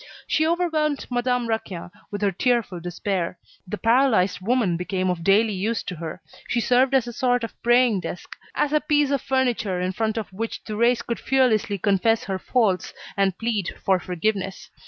She overwhelmed Madame Raquin with her tearful despair. The paralysed woman became of daily use to her. She served as a sort of praying desk, as a piece of furniture in front of which Thérèse could fearlessly confess her faults and plead for forgiveness.